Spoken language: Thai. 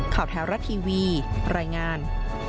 ข่าวแท้รัฐทีวีรายงาน